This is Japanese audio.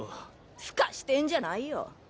ふかしてんじゃないよ！